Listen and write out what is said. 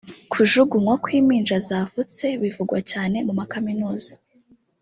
kujugunywa kw’impinja zavutse bivugwa cyane mu makaminuza